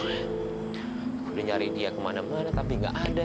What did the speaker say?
aku udah nyari dia kemana mana tapi gak ada